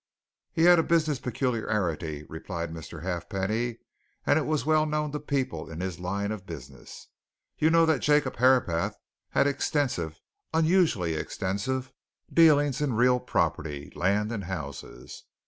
"He had a business peculiarity," replied Mr. Halfpenny, "and it was well known to people in his line of business. You know that Jacob Herapath had extensive, unusually extensive, dealings in real property land and houses.